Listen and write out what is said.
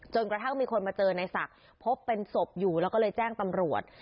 กระทั่งมีคนมาเจอในศักดิ์พบเป็นศพอยู่แล้วก็เลยแจ้งตำรวจ